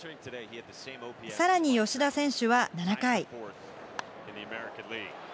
さらに吉田選手は７回。